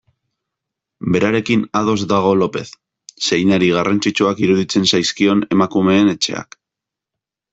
Berarekin ados dago Lopez, zeinari garrantzitsuak iruditzen zaizkion Emakumeen Etxeak.